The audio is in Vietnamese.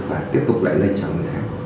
và tiếp tục lại lên cho người khác